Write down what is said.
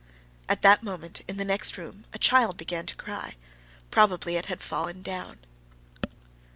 At that moment in the next room a child began to cry; probably it had fallen down.